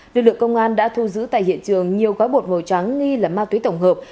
lực lượng công an đã thu giữ tại hiện trường nhiều gói bột màu trắng nghi là ma túy tổng hợp